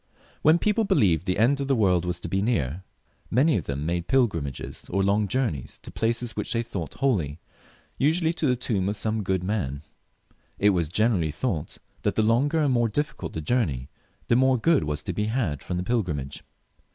I said that when people believed the end of the world to be near, many of them made pilgrimages, or long journeys, to places which they thought holy, usually to the tomb of some good man. It was generally thought that the longer and more difficult the journey, the more good was to be had from the pilgrimage.